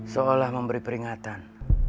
seolah memberi peringatan